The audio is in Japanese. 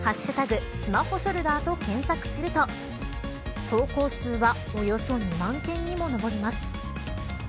スマホショルダーと検索すると投稿数はおよそ２万件にも上ります。